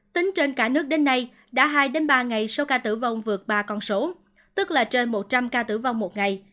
tính trên cả nước đến nay đã hai ba ngày số ca tử vong vượt ba con số tức là trên một trăm linh ca tử vong một ngày